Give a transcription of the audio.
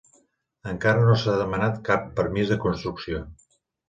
Encara no s'ha demanat cap permís de construcció.